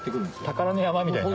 宝の山みたいな。